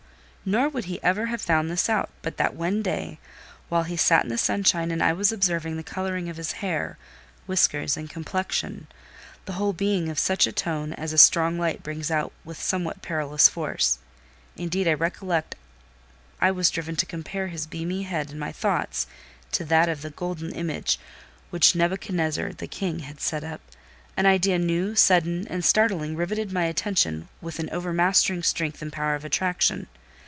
Nor would he ever have found this out, but that one day, while he sat in the sunshine and I was observing the colouring of his hair, whiskers, and complexion—the whole being of such a tone as a strong light brings out with somewhat perilous force (indeed I recollect I was driven to compare his beamy head in my thoughts to that of the "golden image" which Nebuchadnezzar the king had set up), an idea new, sudden, and startling, riveted my attention with an over mastering strength and power of attraction.